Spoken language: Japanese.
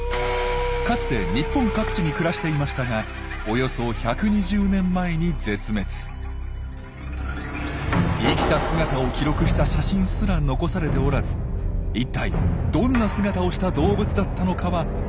かつて日本各地に暮らしていましたが生きた姿を記録した写真すら残されておらず一体どんな姿をした動物だったのかは全くの謎。